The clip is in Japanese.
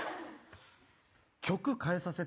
曲替えさせて。